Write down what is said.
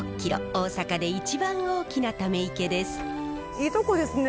いいとこですね